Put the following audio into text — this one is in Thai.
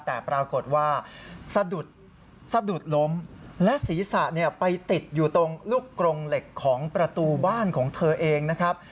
แต่ปรากฏว่าสะดุดล้มและศีรษะไปติดอยู่ตรงลูกกรงเหล็กของประตูบ้านของเธอเองนะครับ